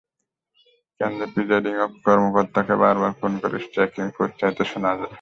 কেন্দ্রের প্রিসাইডিং কর্মকর্তাকে বারবার ফোন করে স্ট্রাইকিং ফোর্স চাইতে শোনা যায়।